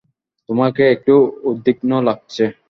তোমাকে একটু উদ্বিগ্ন লাগছে।